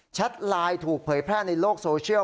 ไลน์ถูกเผยแพร่ในโลกโซเชียล